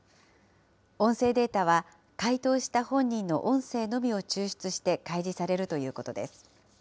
音声データは、解答した本人の音声のみを抽出して開示されるということです。